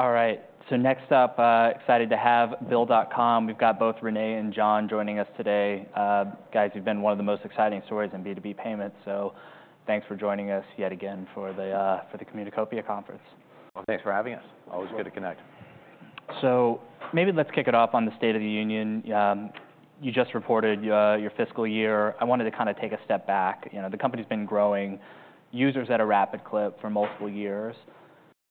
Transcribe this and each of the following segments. All right, so next up, excited to have Bill.com. We've got both René and John joining us today. Guys, you've been one of the most exciting stories in B2B payments, so thanks for joining us yet again for the Communacopia Conference. Thanks for having us. Always good to connect. Maybe let's kick it off on the state of the union. You just reported your fiscal year. I wanted to kinda take a step back. You know, the company's been growing users at a rapid clip for multiple years.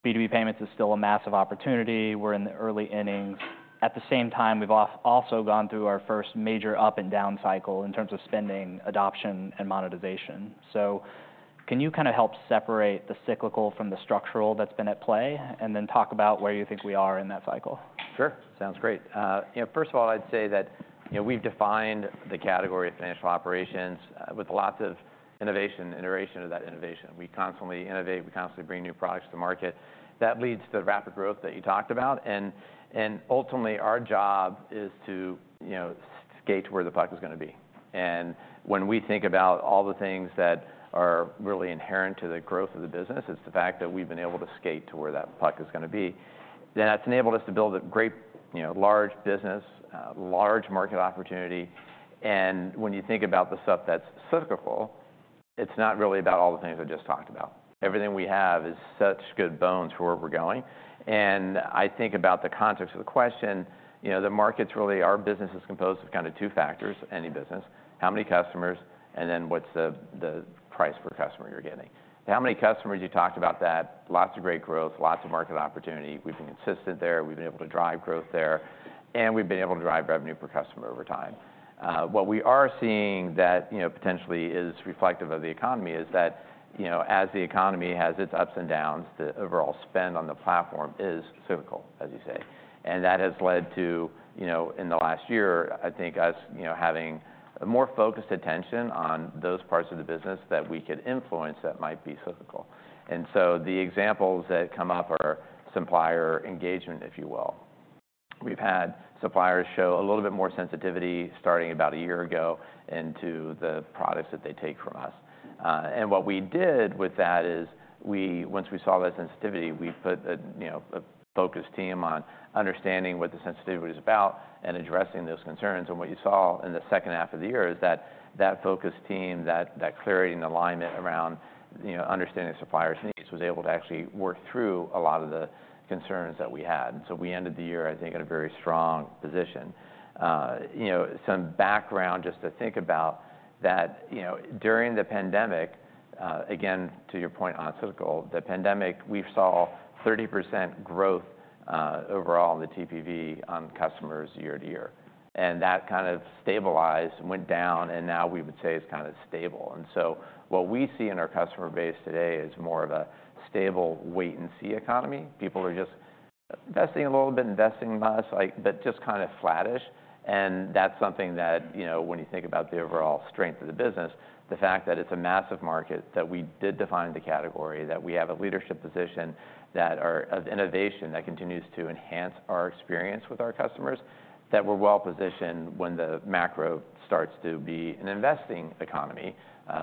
B2B payments is still a massive opportunity, we're in the early innings. At the same time, we've also gone through our first major up and down cycle in terms of spending, adoption, and monetization. Can you kinda help separate the cyclical from the structural that's been at play, and then talk about where you think we are in that cycle? Sure, sounds great. You know, first of all, I'd say that, you know, we've defined the category of financial operations with lots of innovation and iteration of that innovation. We constantly innovate, we constantly bring new products to market. That leads to the rapid growth that you talked about, and ultimately, our job is to, you know, skate to where the puck is gonna be. When we think about all the things that are really inherent to the growth of the business, it's the fact that we've been able to skate to where that puck is gonna be. That's enabled us to build a great, you know, large business, large market opportunity. When you think about the stuff that's cyclical, it's not really about all the things I just talked about. Everything we have is such good bones for where we're going. And I think about the context of the question, you know, the markets. Really, our business is composed of kinda two factors, any business: how many customers, and then what's the price per customer you're getting? How many customers? You talked about that. Lots of great growth, lots of market opportunity. We've been consistent there, we've been able to drive growth there, and we've been able to drive revenue per customer over time. What we are seeing that, you know, potentially is reflective of the economy is that, you know, as the economy has its ups and downs, the overall spend on the platform is cyclical, as you say. And that has led to, you know, in the last year, I think us having a more focused attention on those parts of the business that we could influence that might be cyclical. The examples that come up are supplier engagement, if you will. We've had suppliers show a little bit more sensitivity, starting about a year ago, into the products that they take from us. And what we did with that is we once we saw that sensitivity, we put a, you know, a focused team on understanding what the sensitivity was about and addressing those concerns. And what you saw in the second half of the year is that focused team, that clarity and alignment around, you know, understanding suppliers' needs, was able to actually work through a lot of the concerns that we had. And so we ended the year, I think, at a very strong position. You know, some background, just to think about, that, you know, during the pandemic, again, to your point on cyclical, the pandemic, we saw 30% growth, overall in the TPV on customers year-to-year. And that kind of stabilized and went down, and now we would say it's kinda stable. And so what we see in our customer base today is more of a stable wait-and-see economy. People are just investing a little bit, investing less, like, but just kinda flattish. And that's something that, you know, when you think about the overall strength of the business, the fact that it's a massive market, that we did define the category, that we have a leadership position, that our- of innovation that continues to enhance our experience with our customers, that we're well-positioned when the macro starts to be an investing economy,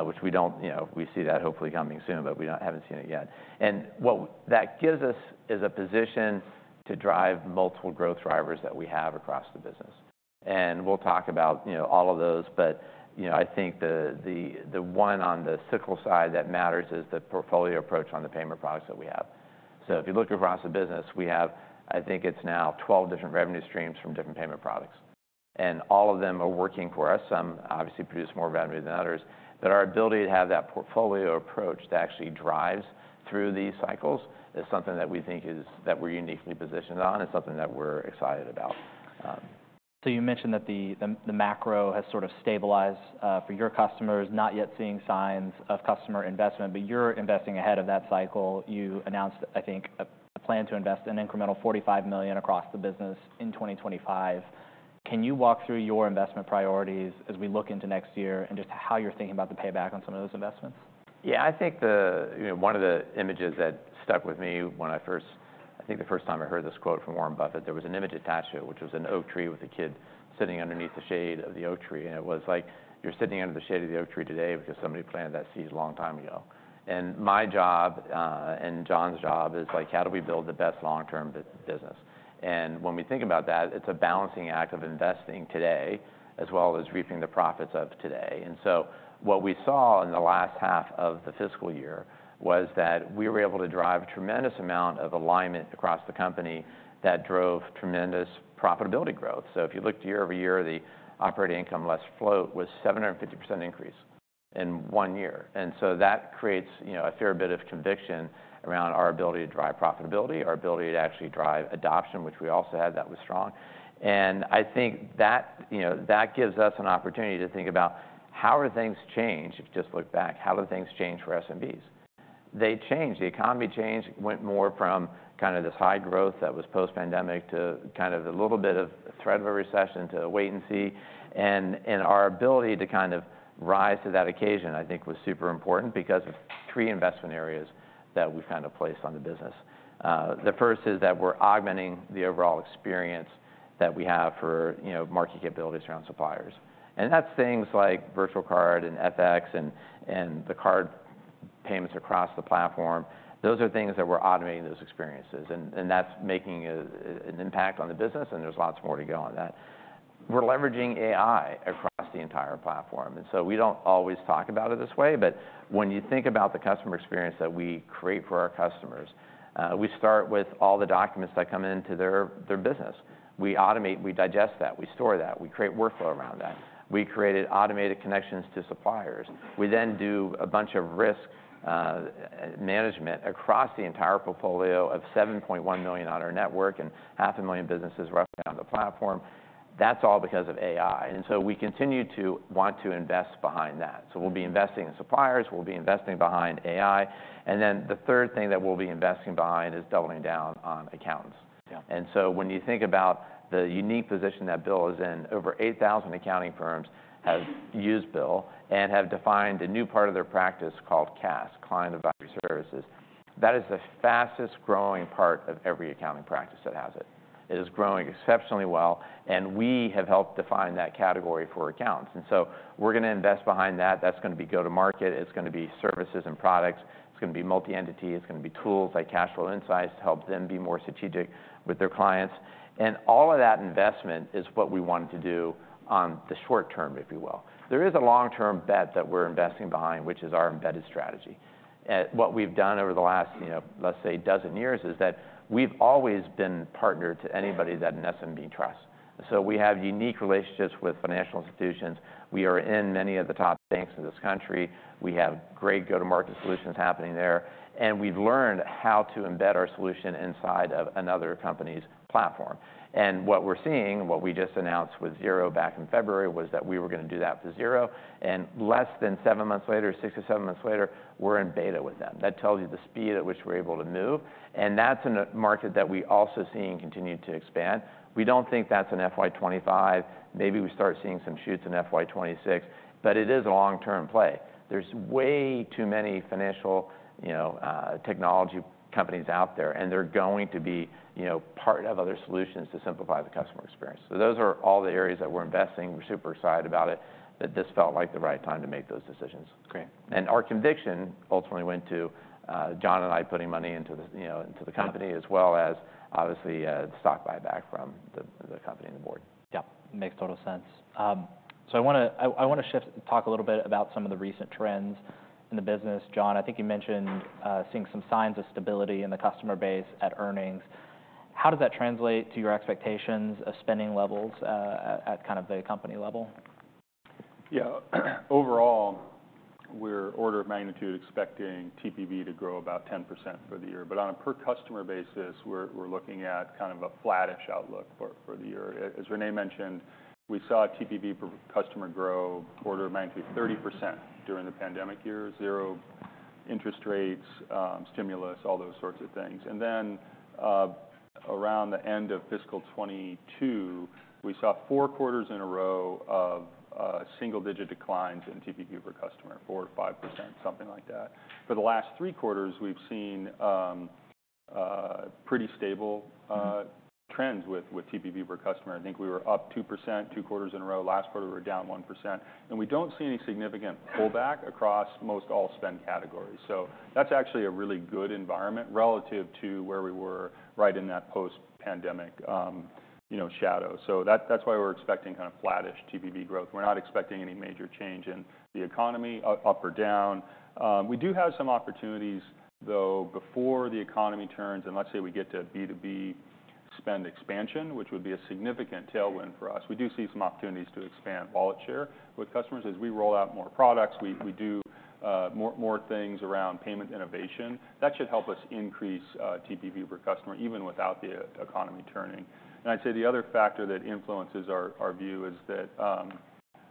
which we don't... You know, we see that hopefully coming soon, but we haven't seen it yet. And what that gives us is a position to drive multiple growth drivers that we have across the business. And we'll talk about, you know, all of those, but, you know, I think the one on the cyclical side that matters is the portfolio approach on the payment products that we have. So if you look across the business, we have, I think it's now 12 different revenue streams from different payment products, and all of them are working for us. Some obviously produce more revenue than others, but our ability to have that portfolio approach that actually drives through these cycles is something that we think is that we're uniquely positioned on, and something that we're excited about. So you mentioned that the macro has sort of stabilized for your customers, not yet seeing signs of customer investment, but you're investing ahead of that cycle. You announced, I think, a plan to invest an incremental $45 million across the business in 2025. Can you walk through your investment priorities as we look into next year, and just how you're thinking about the payback on some of those investments? Yeah, I think. You know, one of the images that stuck with me when I think the first time I heard this quote from Warren Buffett, there was an image attached to it, which was an oak tree with a kid sitting underneath the shade of the oak tree. And it was like, you're sitting under the shade of the oak tree today because somebody planted that seed a long time ago. And my job and John's job is, like, how do we build the best long-term business? And when we think about that, it's a balancing act of investing today, as well as reaping the profits of today. And so what we saw in the last half of the fiscal year was that we were able to drive a tremendous amount of alignment across the company that drove tremendous profitability growth. So if you looked year-over-year, the operating income less float was 750% increase in one year. And so that creates, you know, a fair bit of conviction around our ability to drive profitability, our ability to actually drive adoption, which we also had, that was strong. And I think that, you know, that gives us an opportunity to think about: How have things changed? If you just look back, how have things changed for SMBs? They changed. The economy changed, went more from kinda this high growth that was post-pandemic, to kind of a little bit of a threat of a recession, to a wait and see. And our ability to kind of rise to that occasion, I think, was super important because of three investment areas that we've kinda placed on the business. The first is that we're augmenting the overall experience that we have for, you know, market capabilities around suppliers, and that's things like virtual card, and FX, and payments across the platform. Those are things that we're automating those experiences, and that's making an impact on the business, and there's lots more to go on that. We're leveraging AI across the entire platform, and so we don't always talk about it this way, but when you think about the customer experience that we create for our customers, we start with all the documents that come into their business. We automate, we digest that, we store that, we create workflow around that. We created automated connections to suppliers. We then do a bunch of risk management across the entire portfolio of 7.1 million on our network, and 500,000 businesses roughly on the platform. That's all because of AI, and so we continue to want to invest behind that. So we'll be investing in suppliers, we'll be investing behind AI, and then the third thing that we'll be investing behind is doubling down on accountants. Yeah. And so when you think about the unique position that BILL is in, over eight thousand accounting firms have used BILL and have defined a new part of their practice called CAS, Client Advisory Services. That is the fastest-growing part of every accounting practice that has it. It is growing exceptionally well, and we have helped define that category for accountants, and so we're gonna invest behind that. That's gonna be go-to-market, it's gonna be services and products, it's gonna be multi-entity, it's gonna be tools like Cash Flow Insights to help them be more strategic with their clients. And all of that investment is what we want to do on the short term, if you will. There is a long-term bet that we're investing behind, which is our embedded strategy. What we've done over the last, you know, let's say, dozen years, is that we've always been partnered to anybody that an SMB trusts. So we have unique relationships with financial institutions. We are in many of the top banks in this country. We have great go-to-market solutions happening there, and we've learned how to embed our solution inside of another company's platform. And what we're seeing, and what we just announced with Xero back in February, was that we were gonna do that for Xero, and less than seven months later, six or seven months later, we're in beta with them. That tells you the speed at which we're able to move, and that's in a market that we're also seeing continue to expand. We don't think that's in FY 2025. Maybe we start seeing some shoots in FY 2026, but it is a long-term play. There's way too many financial, you know, technology companies out there, and they're going to be, you know, part of other solutions to simplify the customer experience, so those are all the areas that we're investing. We're super excited about it, that this felt like the right time to make those decisions. Great. And our conviction ultimately went to, John and I putting money into the, you know, into the company. Yeah... as well as, obviously, stock buyback from the company and the board. Yeah, makes total sense. So I wanna shift and talk a little bit about some of the recent trends in the business. John, I think you mentioned seeing some signs of stability in the customer base at earnings. How does that translate to your expectations of spending levels at kind of the company level? Yeah. Overall, we're order of magnitude expecting TPV to grow about 10% for the year. But on a per customer basis, we're looking at kind of a flattish outlook for the year. As René mentioned, we saw TPV per customer grow order of magnitude 30% during the pandemic years, zero interest rates, stimulus, all those sorts of things. And then around the end of fiscal 2022, we saw four quarters in a row of single-digit declines in TPV per customer, 4% or 5%, something like that. For the last three quarters, we've seen pretty stable- Mm-hmm... trends with TPV per customer. I think we were up 2%, two quarters in a row. Last quarter, we were down 1%, and we don't see any significant pullback across most all spend categories. So that's actually a really good environment relative to where we were right in that post-pandemic, you know, shadow. So that's why we're expecting kind of flattish TPV growth. We're not expecting any major change in the economy, up or down. We do have some opportunities, though, before the economy turns, and let's say we get to B2B spend expansion, which would be a significant tailwind for us. We do see some opportunities to expand wallet share with customers. As we roll out more products, we do more things around payment innovation. That should help us increase TPV per customer, even without the economy turning. I'd say the other factor that influences our view is that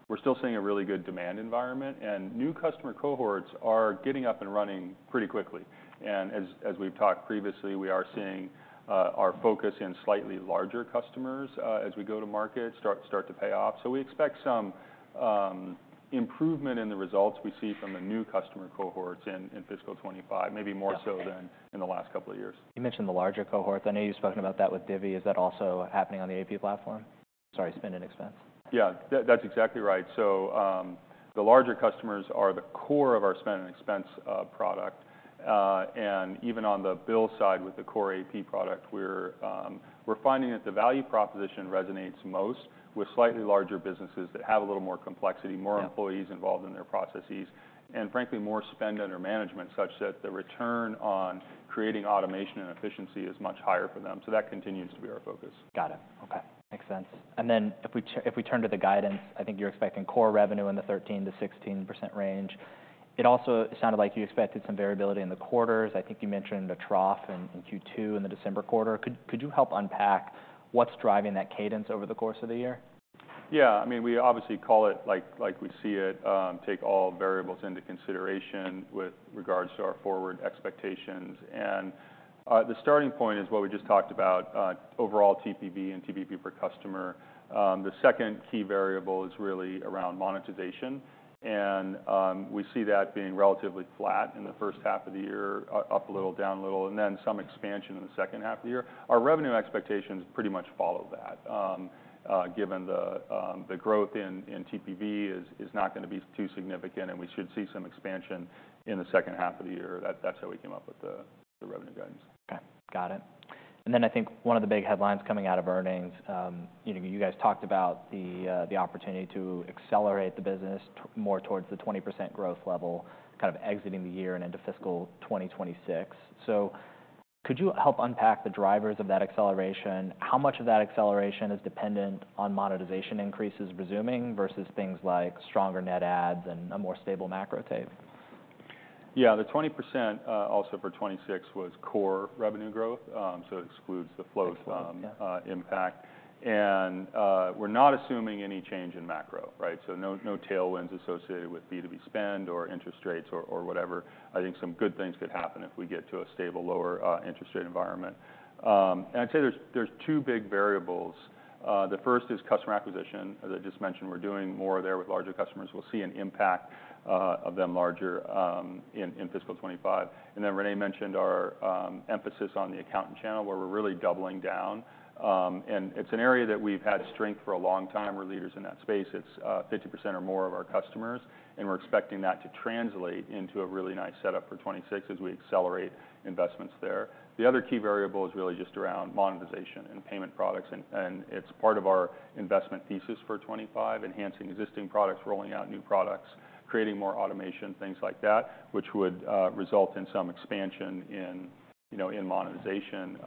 we're still seeing a really good demand environment, and new customer cohorts are getting up and running pretty quickly. As we've talked previously, we are seeing our focus in slightly larger customers as we go to market start to pay off. So we expect some improvement in the results we see from the new customer cohorts in fiscal 2025. Yeah, okay... maybe more so than in the last couple of years. You mentioned the larger cohorts. I know you've spoken about that with Divvy. Is that also happening on the AP platform? Sorry, spend and expense. Yeah, that's exactly right. So, the larger customers are the core of our spend and expense product. And even on the BILL side, with the core AP product, we're finding that the value proposition resonates most with slightly larger businesses that have a little more complexity- Yeah... more employees involved in their processes, and frankly, more spend under management, such that the return on creating automation and efficiency is much higher for them. So that continues to be our focus. Got it. Okay, makes sense. And then, if we turn to the guidance, I think you're expecting core revenue in the 13%-16% range. It also sounded like you expected some variability in the quarters. I think you mentioned a trough in Q2, in the December quarter. Could you help unpack what's driving that cadence over the course of the year? Yeah, I mean, we obviously call it like we see it, take all variables into consideration with regards to our forward expectations. And the starting point is what we just talked about, overall TPV and TPV per customer. The second key variable is really around monetization, and we see that being relatively flat in the first half of the year, up a little, down a little, and then some expansion in the second half of the year. Our revenue expectations pretty much follow that, given the growth in TPV is not gonna be too significant, and we should see some expansion in the second half of the year. That's how we came up with the revenue guidance. Okay, got it. And then I think one of the big headlines coming out of earnings, you know, you guys talked about the opportunity to accelerate the business more towards the 20% growth level, kind of exiting the year and into fiscal 2026. So could you help unpack the drivers of that acceleration? How much of that acceleration is dependent on monetization increases resuming versus things like stronger net adds and a more stable macro tape? Yeah, the 20% also for 2026 was core revenue growth, so it excludes the float impact. We're not assuming any change in macro, right? So no tailwinds associated with B2B spend or interest rates or whatever. I think some good things could happen if we get to a stable, lower interest rate environment. I'd say there's two big variables. The first is customer acquisition. As I just mentioned, we're doing more there with larger customers. We'll see an impact of them larger in fiscal 2025. Then René mentioned our emphasis on the accountant channel, where we're really doubling down. It's an area that we've had strength for a long time. We're leaders in that space. It's 50% or more of our customers, and we're expecting that to translate into a really nice setup for 2026 as we accelerate investments there. The other key variable is really just around monetization and payment products, and it's part of our investment thesis for 2025, enhancing existing products, rolling out new products, creating more automation, things like that, which would result in some expansion in, you know, in monetization.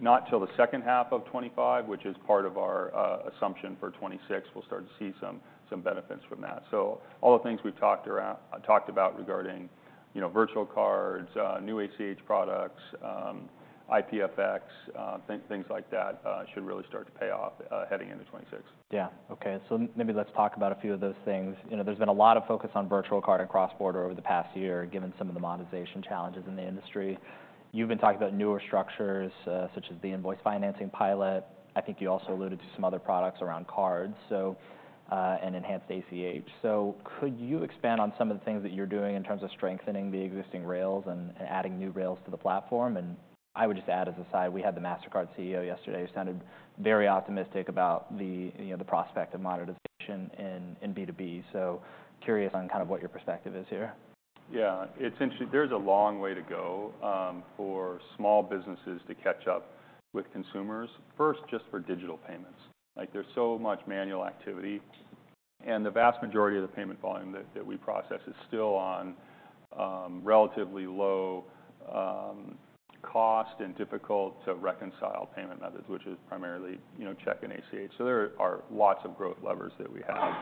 Not till the second half of 2025, which is part of our assumption for 2026, we'll start to see some benefits from that. So all the things we've talked about regarding, you know, virtual cards, new ACH products, IPFX, things like that, should really start to pay off heading into 2026. Yeah. Okay. So maybe let's talk about a few of those things. You know, there's been a lot of focus on virtual card and cross-border over the past year, given some of the monetization challenges in the industry. You've been talking about newer structures, such as the invoice financing pilot. I think you also alluded to some other products around cards, so, and enhanced ACH. So could you expand on some of the things that you're doing in terms of strengthening the existing rails and, and adding new rails to the platform? And I would just add, as a side, we had the Mastercard CEO yesterday, who sounded very optimistic about the, you know, the prospect of monetization in B2B, so curious on kind of what your perspective is here. Yeah. It's There's a long way to go for small businesses to catch up with consumers, first, just for digital payments. Like, there's so much manual activity, and the vast majority of the payment volume that we process is still on relatively low cost and difficult-to-reconcile payment methods, which is primarily, you know, check and ACH, so there are lots of growth levers that we have.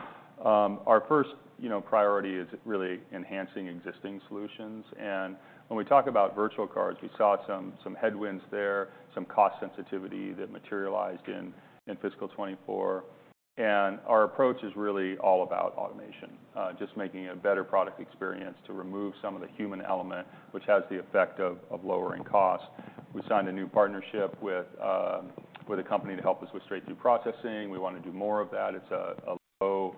Our first, you know, priority is really enhancing existing solutions, and when we talk about virtual cards, we saw some headwinds there, some cost sensitivity that materialized in fiscal 24. And our approach is really all about automation, just making a better product experience to remove some of the human element, which has the effect of lowering cost. We signed a new partnership with a company to help us with straight-through processing. We want to do more of that. It's a low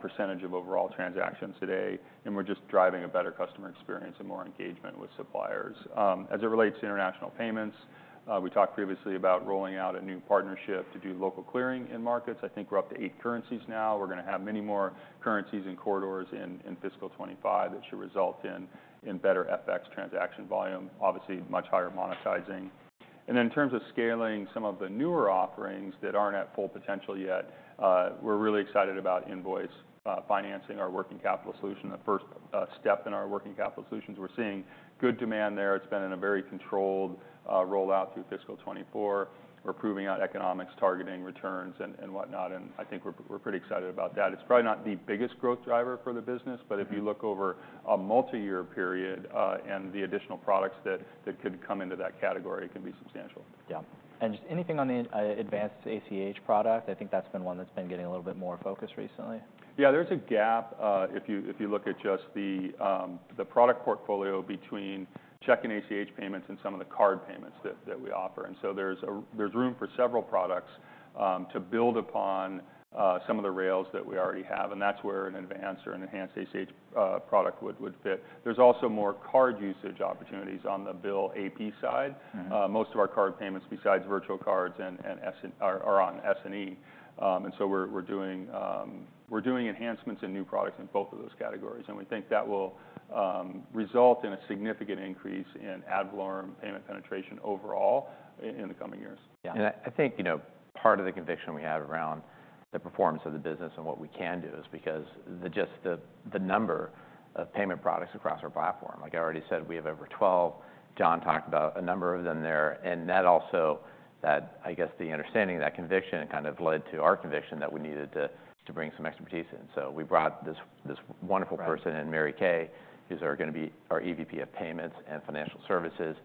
percentage of overall transactions today, and we're just driving a better customer experience and more engagement with suppliers. As it relates to international payments, we talked previously about rolling out a new partnership to do local clearing in markets. I think we're up to eight currencies now. We're gonna have many more currencies and corridors in fiscal twenty-five. That should result in better FX transaction volume, obviously much higher monetizing. And in terms of scaling some of the newer offerings that aren't at full potential yet, we're really excited about invoice financing, our working capital solution, the first step in our working capital solutions. We're seeing good demand there. It's been in a very controlled rollout through fiscal twenty-four. We're proving out economics, targeting returns and whatnot, and I think we're pretty excited about that. It's probably not the biggest growth driver for the business, but if you look over a multi-year period, and the additional products that could come into that category, it can be substantial. Yeah. And just anything on the advanced ACH product? I think that's been one that's been getting a little bit more focus recently. Yeah, there's a gap if you look at just the product portfolio between check and ACH payments and some of the card payments that we offer. And so there's room for several products to build upon some of the rails that we already have, and that's where an advanced or an enhanced ACH product would fit. There's also more card usage opportunities on the BILL AP side. Mm-hmm. Most of our card payments, besides virtual cards and S&E, are on S&E. And so we're doing enhancements and new products in both of those categories, and we think that will result in a significant increase in ad valorem payment penetration overall in the coming years. Yeah. I think, you know, part of the conviction we have around the performance of the business and what we can do is because just the number of payment products across our platform. Like I already said, we have over 12. John talked about a number of them there, and that, I guess, the understanding of that conviction kind of led to our conviction that we needed to bring some expertise in. So we brought this wonderful person in. Right. Mary Kay is gonna be our EVP of Payments and Financial Services.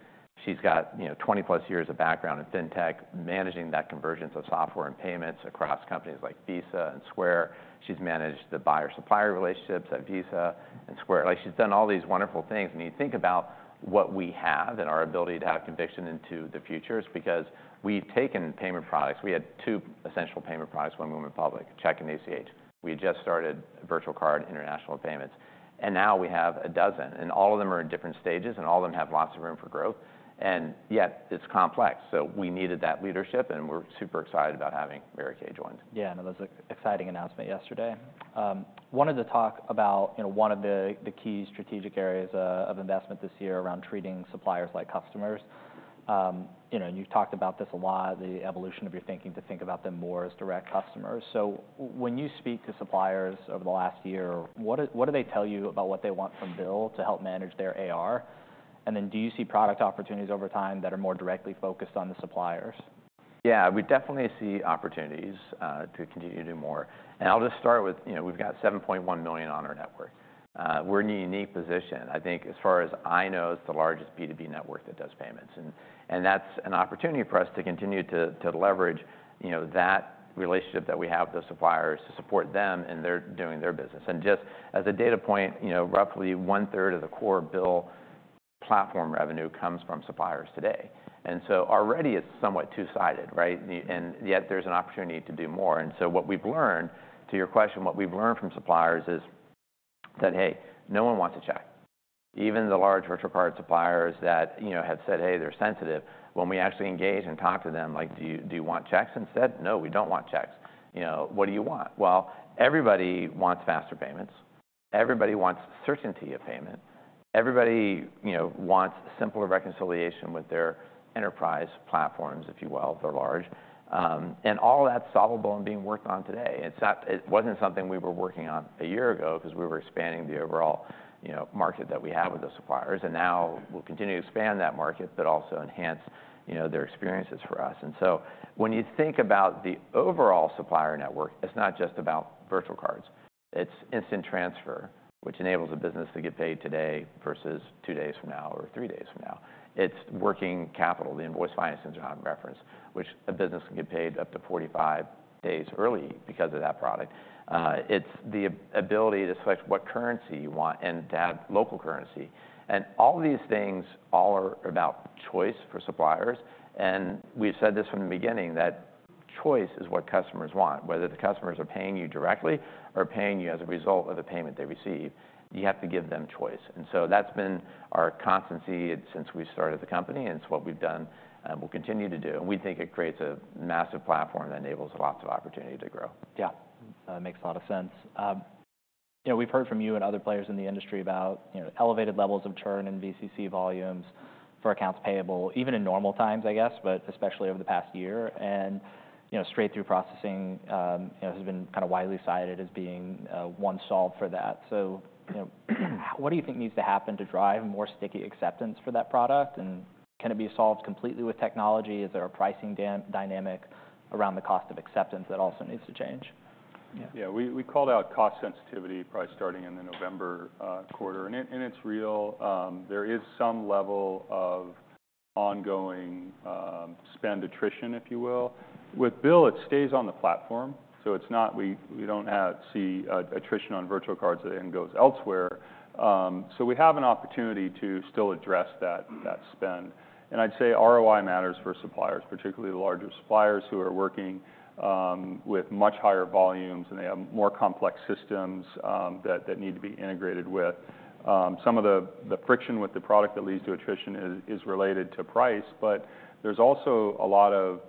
She's got, you know, twenty-plus years of background in fintech, managing that convergence of software and payments across companies like Visa and Square. She's managed the buyer-supplier relationships at Visa and Square. Like, she's done all these wonderful things. When you think about what we have and our ability to have conviction into the future, it's because we've taken payment products. We had two essential payment products when we went public, check and ACH. We just started virtual card international payments, and now we have a dozen, and all of them are in different stages, and all of them have lots of room for growth, and yet it's complex. So we needed that leadership, and we're super excited about having Mary Kay join. Yeah, I know. That was an exciting announcement yesterday. Wanted to talk about, you know, one of the key strategic areas of investment this year around treating suppliers like customers. You know, and you've talked about this a lot, the evolution of your thinking, to think about them more as direct customers. So when you speak to suppliers over the last year, what do they tell you about what they want from BILL to help manage their AR? And then do you see product opportunities over time that are more directly focused on the suppliers? Yeah, we definitely see opportunities to continue to do more. And I'll just start with, you know, we've got 7.1 million on our network. We're in a unique position. I think, as far as I know, it's the largest B2B network that does payments, and that's an opportunity for us to continue to leverage, you know, that relationship that we have with the suppliers to support them in their doing their business. And just as a data point, you know, roughly 1/3 of the core BILL platform revenue comes from suppliers today, and so already it's somewhat two-sided, right? And yet there's an opportunity to do more. And so what we've learned. To your question, what we've learned from suppliers is that, hey, no one wants a check. Even the large virtual card suppliers that, you know, have said, "Hey, they're sensitive," when we actually engage and talk to them, like, "Do you want checks instead?" "No, we don't want checks." "You know, what do you want?" Well, everybody wants faster payments. Everybody wants certainty of payment. Everybody, you know, wants simpler reconciliation with their enterprise platforms, if you will, if they're large. And all that's solvable and being worked on today. It's not. It wasn't something we were working on a year ago because we were expanding the overall, you know, market that we have with the suppliers, and now we'll continue to expand that market, but also enhance, you know, their experiences for us. And so when you think about the overall supplier network, it's not just about virtual cards, it's instant transfer, which enables a business to get paid today versus two days from now or three days from now. It's working capital, the invoice financing I referenced, which a business can get paid up to 45 days early because of that product. It's the ability to select what currency you want and to have local currency. And all these things are about choice for suppliers, and we've said this from the beginning, that choice is what customers want, whether the customers are paying you directly or paying you as a result of the payment they receive, you have to give them choice. And so that's been our consistency since we started the company, and it's what we've done and we'll continue to do, and we think it creates a massive platform that enables lots of opportunity to grow. Yeah, makes a lot of sense. You know, we've heard from you and other players in the industry about, you know, elevated levels of churn in VCC volumes for accounts payable, even in normal times, I guess, but especially over the past year. And, you know, straight-through processing, you know, has been kind of widely cited as being one solve for that. So, you know, what do you think needs to happen to drive more sticky acceptance for that product? And can it be solved completely with technology? Is there a pricing dynamic around the cost of acceptance that also needs to change? Yeah. Yeah, we, we called out cost sensitivity probably starting in the November quarter, and it, and it's real. There is some level of ongoing spend attrition, if you will. With BILL, it stays on the platform, so it's not that we don't see attrition on virtual cards that goes elsewhere. So we have an opportunity to still address that spend. And I'd say ROI matters for suppliers, particularly the larger suppliers who are working with much higher volumes, and they have more complex systems that need to be integrated with. Some of the friction with the product that leads to attrition is related to price, but there's also a lot of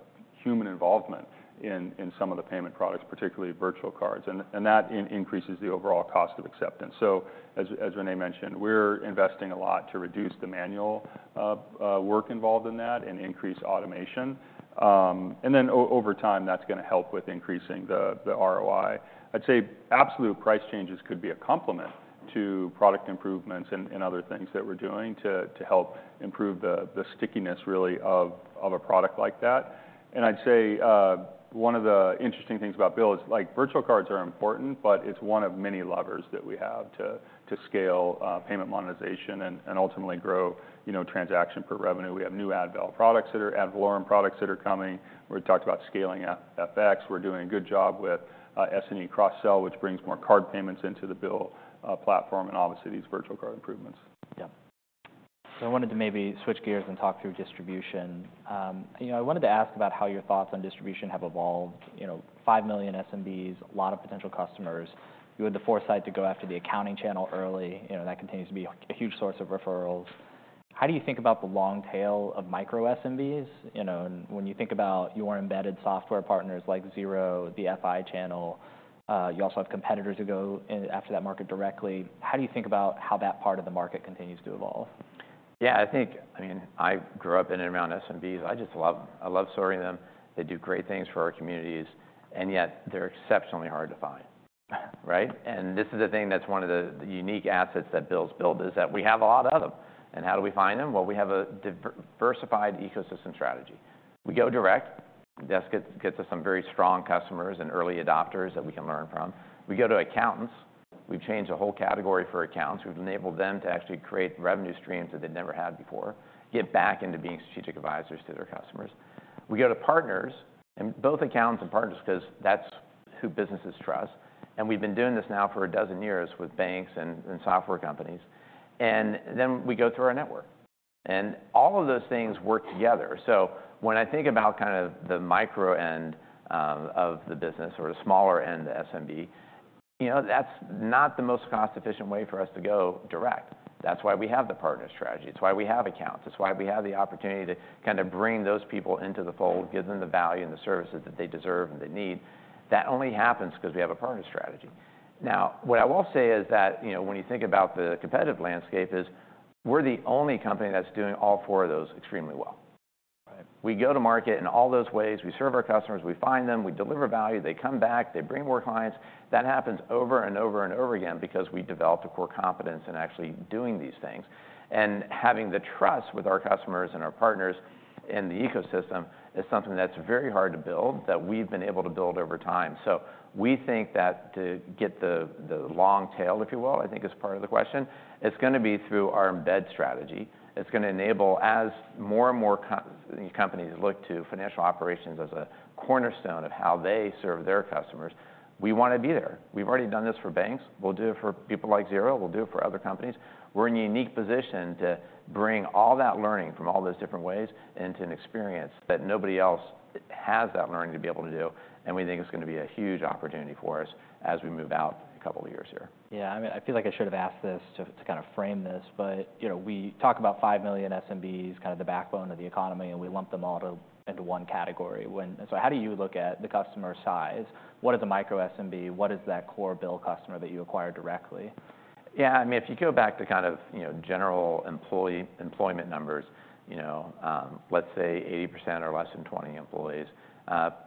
human involvement in some of the payment products, particularly virtual cards, and that increases the overall cost of acceptance. As René mentioned, we're investing a lot to reduce the manual work involved in that and increase automation. Over time, that's gonna help with increasing the ROI. I'd say absolute price changes could be a complement to product improvements and other things that we're doing to help improve the stickiness really of a product like that. I'd say one of the interesting things about BILL is like virtual cards are important, but it's one of many levers that we have to scale payment monetization and ultimately grow, you know, transaction per revenue. We have new ad valorem products that are coming. We talked about scaling FX. We're doing a good job with S&E cross-sell, which brings more card payments into the BILL platform, and obviously these virtual card improvements. Yeah. So I wanted to maybe switch gears and talk through distribution. You know, I wanted to ask about how your thoughts on distribution have evolved. You know, 500 million SMBs, a lot of potential customers. You had the foresight to go after the accounting channel early, you know, that continues to be a huge source of referrals. How do you think about the long tail of micro SMBs? You know, and when you think about your embedded software partners, like Xero, the FI channel, you also have competitors who go in after that market directly. How do you think about how that part of the market continues to evolve? Yeah, I think. I mean, I grew up in and around SMBs. I just love, I love serving them. They do great things for our communities, and yet they're exceptionally hard to find, right? And this is the thing that's one of the unique assets that BILL's built, is that we have a lot of them. And how do we find them? Well, we have a diversified ecosystem strategy. We go direct. That gets us some very strong customers and early adopters that we can learn from. We go to accountants. We've changed a whole category for accountants. We've enabled them to actually create revenue streams that they never had before, get back into being strategic advisors to their customers. We go to partners, and both accountants and partners, because that's who businesses trust, and we've been doing this now for a dozen years with banks and software companies, and then we go through our network, and all of those things work together, so when I think about kind of the micro end of the business or the smaller end, the SMB, you know, that's not the most cost-efficient way for us to go direct. That's why we have the partner strategy. It's why we have accountants. It's why we have the opportunity to kind of bring those people into the fold, give them the value and the services that they deserve and they need. That only happens because we have a partner strategy. Now, what I will say is that, you know, when you think about the competitive landscape, is we're the only company that's doing all four of those extremely well. We go to market in all those ways. We serve our customers, we find them, we deliver value, they come back, they bring more clients. That happens over and over and over again because we developed a core competence in actually doing these things. And having the trust with our customers and our partners in the ecosystem is something that's very hard to build, that we've been able to build over time. So we think that to get the long tail, if you will, I think is part of the question, it's gonna be through our embed strategy. It's gonna enable, as more and more companies look to financial operations as a cornerstone of how they serve their customers, we wanna be there. We've already done this for banks, we'll do it for people like Xero, we'll do it for other companies. We're in a unique position to bring all that learning from all those different ways into an experience that nobody else has that learning to be able to do, and we think it's gonna be a huge opportunity for us as we move out a couple of years here. Yeah, I mean, I feel like I should have asked this to kind of frame this, but, you know, we talk about 500 million SMBs, kind of the backbone of the economy, and we lump them all into one category when... So how do you look at the customer size? What is the micro SMB? What is that core BILL customer that you acquire directly? Yeah, I mean, if you go back to kind of, you know, general employment numbers, you know, let's say 80% are less than 20 employees.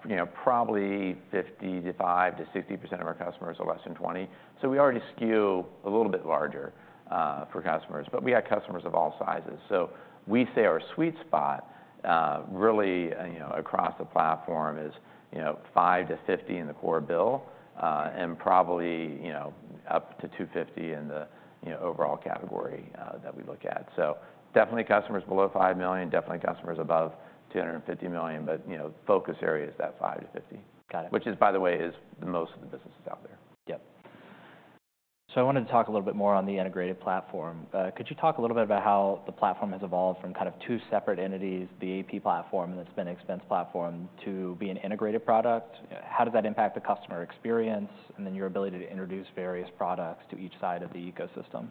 You know, probably 50%-60% of our customers are less than 20, so we already skew a little bit larger, for customers, but we have customers of all sizes. So we say our sweet spot, really, you know, across the platform is, you know, 5-50 in the core BILL, and probably, you know, up to 250 in the, you know, overall category, that we look at. So definitely customers below $5 million, definitely customers above $250 million, but, you know, focus area is that 5-50. Got it. Which is, by the way, most of the businesses out there. Yep. So I wanted to talk a little bit more on the integrated platform. Could you talk a little bit about how the platform has evolved from kind of two separate entities, the AP platform and the Spend Expense platform, to be an integrated product? How does that impact the customer experience, and then your ability to introduce various products to each side of the ecosystem?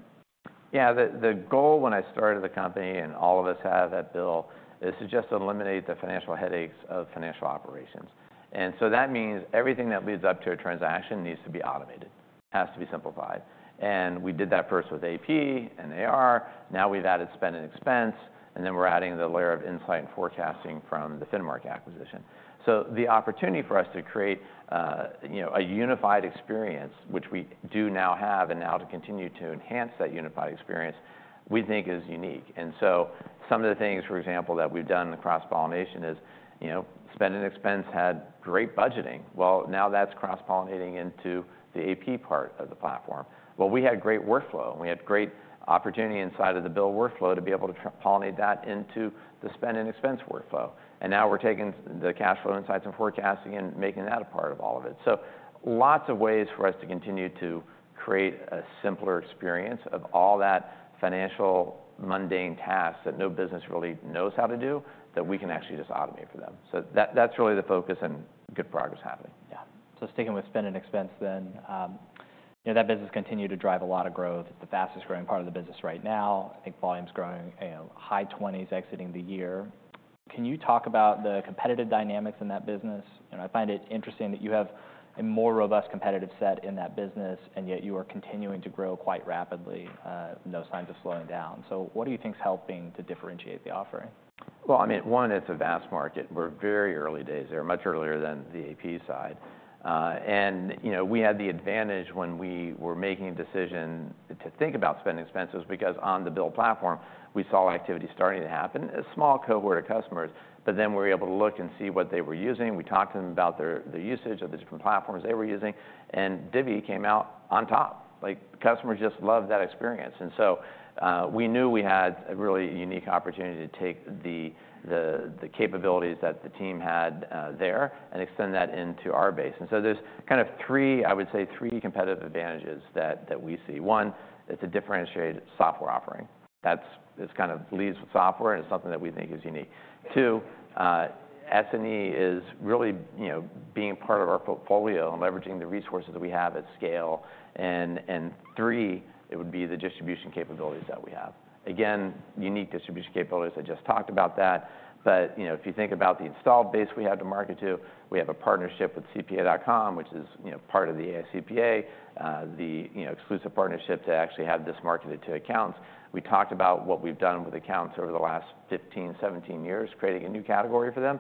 Yeah, the goal when I started the company, and all of us have at BILL, is to just eliminate the financial headaches of financial operations, and so that means everything that leads up to a transaction needs to be automated, has to be simplified, and we did that first with AP and AR. Now, we've added spend and expense, and then we're adding the layer of insight and forecasting from the Finmark acquisition, so the opportunity for us to create, you know, a unified experience, which we do now have, and now to continue to enhance that unified experience, we think is unique, and so some of the things, for example, that we've done in the cross-pollination is, you know, spend and expense had great budgeting, well, now that's cross-pollinating into the AP part of the platform. We had great workflow, and we had great opportunity inside of the BILL workflow to be able to cross-pollinate that into the spend and expense workflow. And now we're taking the Cash Flow Insights and forecasting and making that a part of all of it. So lots of ways for us to continue to create a simpler experience of all that financial, mundane tasks that no business really knows how to do, that we can actually just automate for them. So that's really the focus and good progress happening. Yeah. So sticking with spend and expense then, you know, that business continued to drive a lot of growth, the fastest growing part of the business right now. I think volume's growing, you know, high 20s exiting the year. Can you talk about the competitive dynamics in that business? And I find it interesting that you have a more robust, competitive set in that business, and yet you are continuing to grow quite rapidly, no signs of slowing down. So what do you think is helping to differentiate the offering? I mean, one, it's a vast market. We're very early days there, much earlier than the AP side. And, you know, we had the advantage when we were making a decision to think about spend and expenses, because on the BILL platform, we saw activity starting to happen, a small cohort of customers. But then we were able to look and see what they were using, we talked to them about their usage of the different platforms they were using, and Divvy came out on top. Like, customers just loved that experience. And so, we knew we had a really unique opportunity to take the capabilities that the team had there and extend that into our base. And so there's kind of three, I would say, competitive advantages that we see. One, it's a differentiated software offering. is, it's kind of leads with software, and it's something that we think is unique. Two, S&E is really, you know, being part of our portfolio and leveraging the resources we have at scale. And three, it would be the distribution capabilities that we have. Again, unique distribution capabilities, I just talked about that. But, you know, if you think about the installed base we have to market to, we have a partnership with CPA.com, which is, you know, part of the AICPA, the exclusive partnership to actually have this marketed to accounts. We talked about what we've done with accounts over the last 15-17 years, creating a new category for them.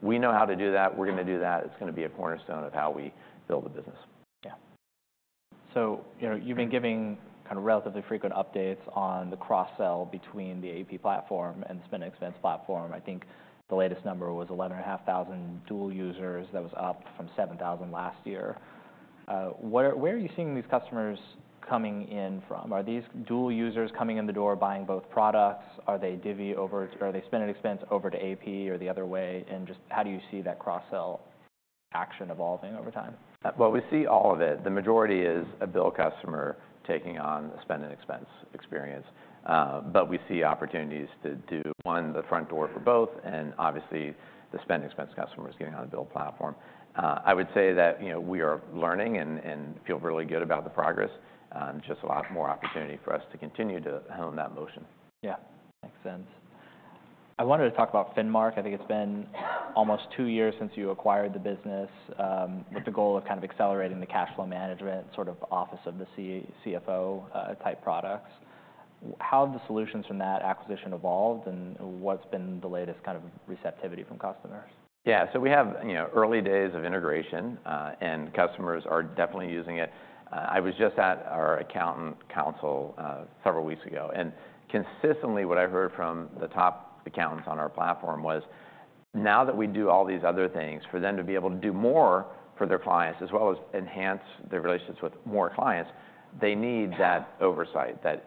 We know how to do that. We're gonna do that. It's gonna be a cornerstone of how we build the business. Yeah. So, you know, you've been giving kind of relatively frequent updates on the cross-sell between the AP platform and the spend and expense platform. I think the latest number was 11,500 dual users. That was up from 7,000 last year. Where are you seeing these customers coming in from? Are these dual users coming in the door buying both products? Are they Divvy over... Are they spend and expense over to AP or the other way? And just how do you see that cross-sell action evolving over time? We see all of it. The majority is a BILL customer taking on the spend and expense experience. But we see opportunities to do, one, the front door for both, and obviously, the spend expense customers getting on the BILL platform. I would say that, you know, we are learning and feel really good about the progress, just a lot more opportunity for us to continue to hone that motion. Yeah, makes sense. I wanted to talk about Finmark. I think it's been almost two years since you acquired the business with the goal of kind of accelerating the cash flow management, sort of office of the CFO type products. How have the solutions from that acquisition evolved, and what's been the latest kind of receptivity from customers? Yeah. So we have, you know, early days of integration, and customers are definitely using it. I was just at our accountant council several weeks ago, and consistently, what I heard from the top accountants on our platform was, now that we do all these other things, for them to be able to do more for their clients, as well as enhance their relationships with more clients, they need that oversight, that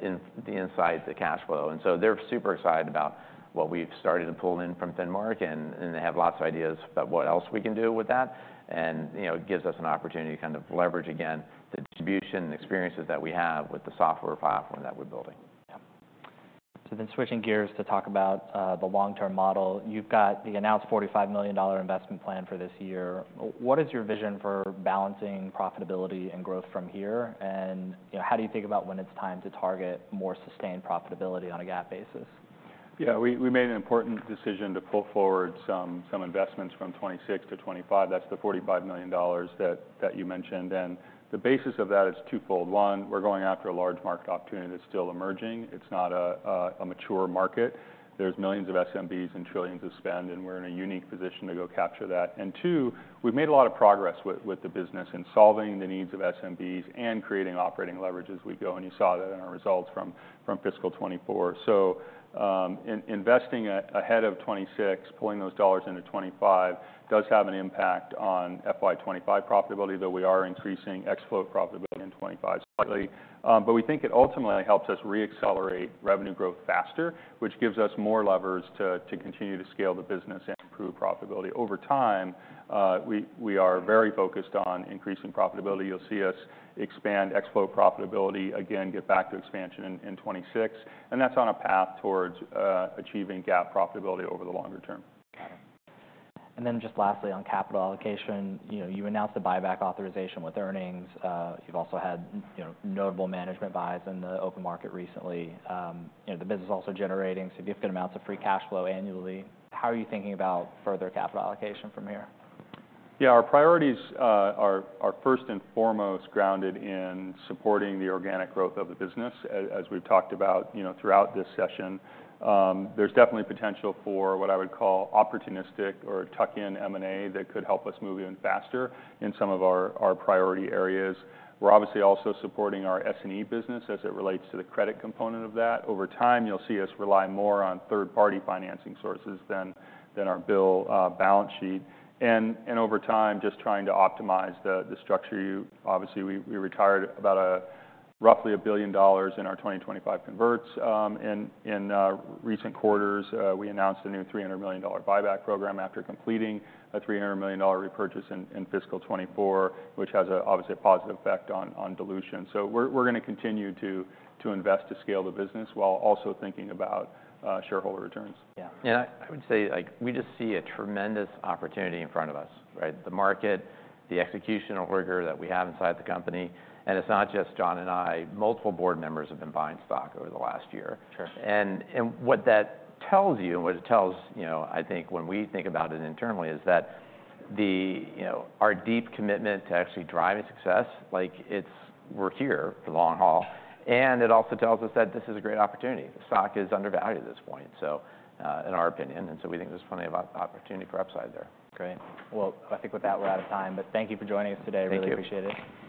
insight, the cash flow. And so they're super excited about what we've started to pull in from Finmark, and they have lots of ideas about what else we can do with that. And you know it gives us an opportunity to kind of leverage again, the distribution and experiences that we have with the software platform that we're building. Yeah. So then switching gears to talk about the long-term model. You've got the announced $45 million investment plan for this year. What is your vision for balancing profitability and growth from here? And, you know, how do you think about when it's time to target more sustained profitability on a GAAP basis? Yeah, we made an important decision to pull forward some investments from 2026 to 2025. That's the $45 million that you mentioned, and the basis of that is twofold. One, we're going after a large market opportunity that's still emerging. It's not a mature market. There's millions of SMBs and trillions of spend, and we're in a unique position to go capture that. And two, we've made a lot of progress with the business in solving the needs of SMBs and creating operating leverage as we go, and you saw that in our results from fiscal 2024. So, investing ahead of 2026, pulling those dollars into 2025, does have an impact on FY 2025 profitability, though we are increasing ex-float profitability in 2025 slightly. But we think it ultimately helps us re-accelerate revenue growth faster, which gives us more levers to continue to scale the business and improve profitability. Over time, we are very focused on increasing profitability. You'll see us expand ex float profitability again, get back to expansion in 2026, and that's on a path towards achieving GAAP profitability over the longer term. Got it. And then just lastly, on capital allocation, you know, you announced the buyback authorization with earnings. You've also had, you know, notable management buys in the open market recently. You know, the business is also generating significant amounts of free cash flow annually. How are you thinking about further capital allocation from here? Yeah, our priorities are first and foremost grounded in supporting the organic growth of the business. As we've talked about, you know, throughout this session, there's definitely potential for what I would call opportunistic or tuck-in M&A that could help us move even faster in some of our priority areas. We're obviously also supporting our S&E business as it relates to the credit component of that. Over time, you'll see us rely more on third-party financing sources than our BILL balance sheet. And over time, just trying to optimize the structure. Obviously, we retired about roughly $1 billion in our 2025 converts. In recent quarters, we announced a new $300 million buyback program after completing a $300 million repurchase in fiscal 2024, which has obviously a positive effect on dilution. We're gonna continue to invest to scale the business, while also thinking about shareholder returns. Yeah. Yeah, I would say, like, we just see a tremendous opportunity in front of us, right? The market, the executional rigor that we have inside the company, and it's not just John and I. Multiple board members have been buying stock over the last year. Sure. What that tells you, and what it tells you. You know, I think when we think about it internally is that, you know, our deep commitment to actually driving success, like it's, we're here for the long haul, and it also tells us that this is a great opportunity. The stock is undervalued at this point, so, in our opinion, and so we think there's plenty of opportunity for upside there. Great. Well, I think with that, we're out of time, but thank you for joining us today. Thank you. Really appreciate it.